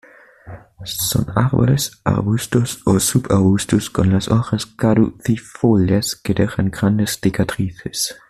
Son árboles, arbustos o subarbustos con las hojas caducifolias, que dejan grandes cicatrices.